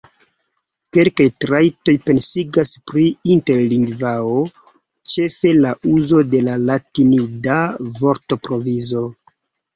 Kelkaj trajtoj pensigas pri interlingvao, ĉefe la uzo de latinida vortprovizo.